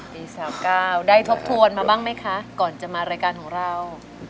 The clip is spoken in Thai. ปี๓๙ได้ทบทวนมาบ้างไหมคะก่อนจะมารายการของเรา